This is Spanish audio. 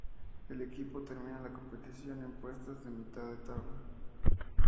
El equipo termina la competición en puestos de mitad de la tabla.